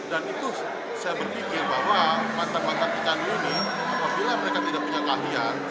dan itu saya berpikir bahwa makanan makanan ikan ini apabila mereka tidak punya keahlian